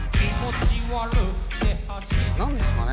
何ですかね